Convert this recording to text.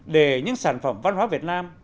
để những sản phẩm văn hóa việt nam